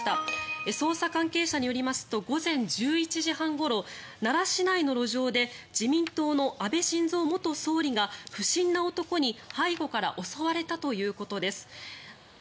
「捜査関係者によりますと午前１１時半ごろ奈良市内の路上で自民党の安倍晋三元総理が不審な男に背後から襲われたということです」